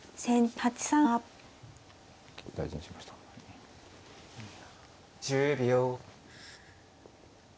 １０秒。